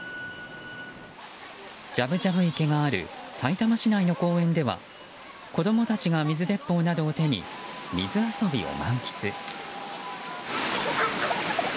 じゃぶじゃぶ池があるさいたま市内の公園では子供たちが水鉄砲などを手に水遊びを満喫。